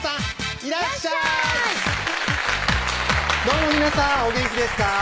どうも皆さんお元気ですか？